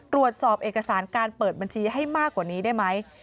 ตรวจสอบเอกสารการเปิดบัญชีให้มากกว่านี้ได้ไหม